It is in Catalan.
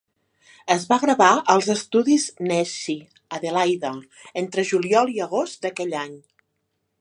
Es va gravar als estudis Nesci, Adelaida, entre juliol i agost d'aquell any.